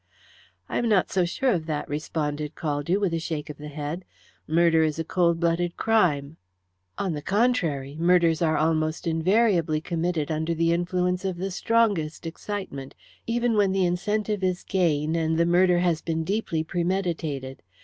"I am not so sure of that," responded Caldew, with a shake of the head. "Murder is a cold blooded crime." "On the contrary, murders are almost invariably committed under the influence of the strongest excitement, even when the incentive is gain, and the murder has been deeply premeditated.